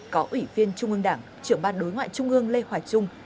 có ủy viên trung ương đảng trưởng ban đối ngoại trung ương lê hoài trung